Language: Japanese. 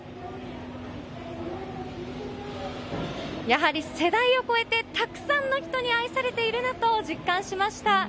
やはり世代を超えてたくさんの人に愛されているなと実感しました。